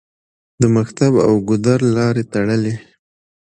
د مکتب او د ګودر لارې تړلې